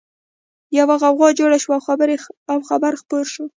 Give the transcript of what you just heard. يوه غوغا جوړه شوه او خبر خپور شو